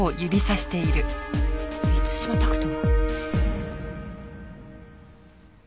満島拓斗？